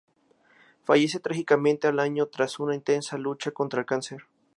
Fallece trágicamente al año tras una intensa lucha contra el cáncer.